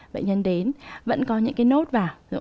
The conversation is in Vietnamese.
bệnh nhân đến vẫn có những cái nốt vào